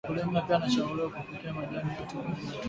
mkulima pia anashauriwa kufukia majani yote kwenye matuta